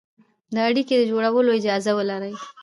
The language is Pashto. د اړيکې د جوړولو اجازه ولري،